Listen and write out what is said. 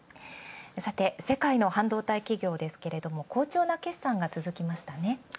さて世界の半導体企業、好調な決算が続きましたね。